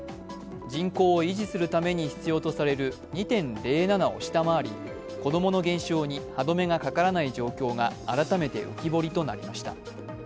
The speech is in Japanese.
人口を維持するために必要とされる２．０７を下回り子供の減少に歯止めがかからない状況が改めて浮き彫りになりました。